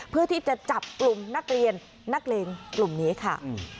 เพื่อที่จะจับกลุ่มนักเรียนนักเลงกลุ่มนี้ค่ะ